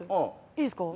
いいですか。